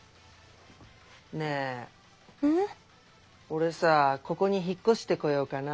オレさぁここに引っ越してこようかな。